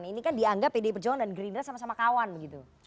ini kan dianggap pdi perjuangan dan gerindra sama sama kawan begitu